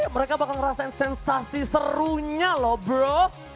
mereka bakal ngerasain sensasi serunya loh bro